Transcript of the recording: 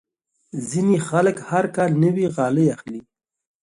ځینې خلک هر کال نوې غالۍ اخلي.